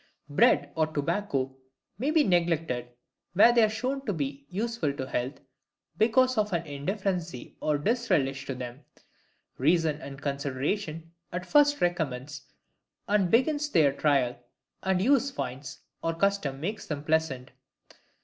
Bread or tobacco may be neglected where they are shown to be useful to health, because of an indifferency or disrelish to them; reason and consideration at first recommends, and begins their trial, and use finds, or custom makes them pleasant.